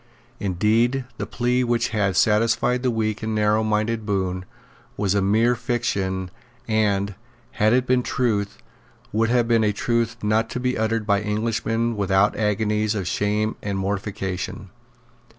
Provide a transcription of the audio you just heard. Indeed the plea which had satisfied the weak and narrow mind of Bohun was a mere fiction, and, had it been a truth, would have been a truth not to be uttered by Englishmen without agonies of shame and mortification.